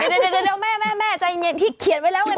เดี๋ยวแม่ใจเย็นที่เขียนไว้แล้วไง